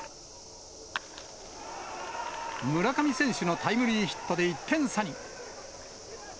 村上選手のタイムリーヒットで１点差に。